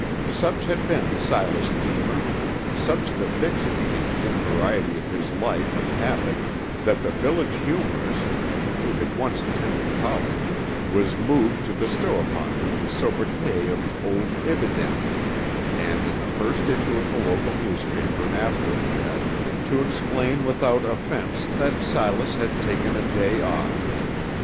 Such had been Silas Deemer—such the fixity and invariety of his life and habit, that the village humorist (who had once attended college) was moved to bestow upon him the sobriquet of "Old Ibidem," and, in the first issue of the local newspaper after the death, to explain without offence that Silas had taken "a day off."